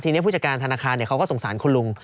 ทีนี้ผู้จัดการธนาคารเขาก็สงสารคุณลุง